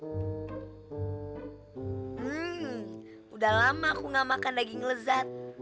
hmm udah lama aku gak makan daging lezat